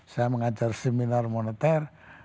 saya mengajar seminar moneter